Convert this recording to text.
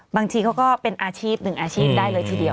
บางทีเขาก็เป็นอาชีพหนึ่งอาชีพได้เลยทีเดียว